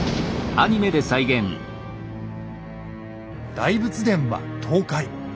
大仏殿は倒壊。